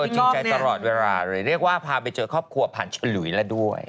จริงใจตลอดเวลาเลยเรียกว่าพาไปเจอครอบครัวผ่านฉลุยแล้วด้วย